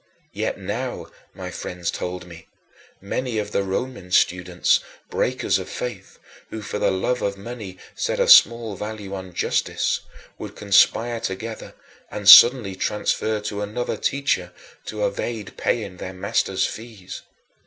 Yet, now, my friends told me, many of the Roman students breakers of faith, who, for the love of money, set a small value on justice would conspire together and suddenly transfer to another teacher, to evade paying their master's fees.